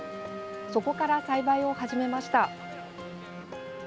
そこから栽培を始めました。